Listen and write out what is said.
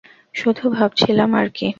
শুধু ভাবছিলাম আরকি।